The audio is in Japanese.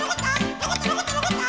のこったのこったのこった！